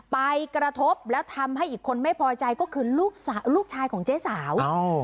ไปกระทบแล้วทำให้อีกคนไม่พอใจก็คือลูกชายของเจ๊สาว